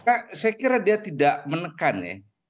saya kira dia tidak menekan ya